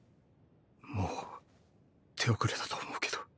もう手遅れだと思うけど。